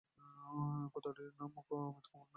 পাত্রটির নাম অমিতকুমার রায়।